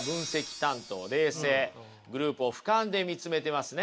冷静グループをふかんで見つめてますね。